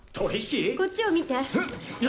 こっちを見て。